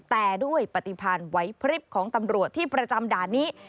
แต่ด้วยปฏิพันธ์ไว้พริบของตำรวจที่ประจำด่านนี้